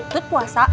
kamu mau puasa